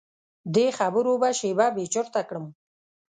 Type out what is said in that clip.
دې خبرو به شیبه بې چرته کړم.